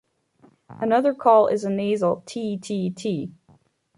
Another call is a nasal "tee-tee-tee".